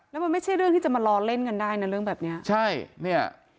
แล้วมันไม่ใช่เรื่องที่จะมารอเล่นกันได้นะเรื่องแบบเนี้ยใช่เนี่ย